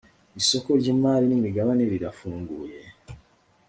isoko ry imari n imigabane rirafunguye